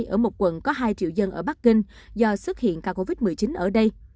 ở một quận có hai triệu dân ở bắc kinh do xuất hiện ca covid một mươi chín ở đây